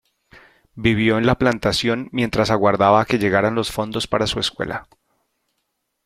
Vivió en la plantación mientras aguardaba a que llegaran los fondos para su escuela.